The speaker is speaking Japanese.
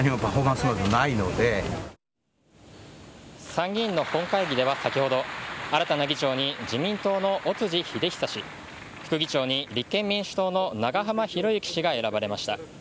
参議院の本会議では先ほど新たな議長に自民党の尾辻秀久氏副議長に立憲民主党の長浜博行氏が選ばれました。